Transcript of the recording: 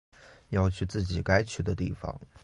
要去自己该去的地方